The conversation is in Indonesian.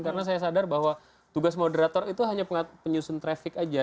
karena saya sadar bahwa tugas moderator itu hanya penyusun traffic aja